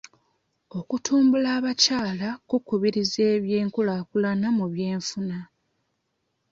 Okutumbula abakyala kukubiriza eby'enkulaakulana mu by'enfuna.